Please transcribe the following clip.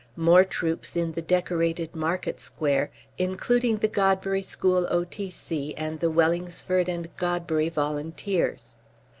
More troops in the decorated Market Square, including the Godbury School O.T.C. and the Wellingsford and Godbury Volunteers.